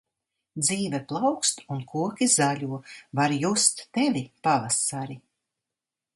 Dzīve plaukst un koki zaļo, var just Tevi, pavasari.